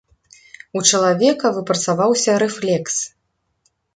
У чалавека выпрацаваўся рэфлекс.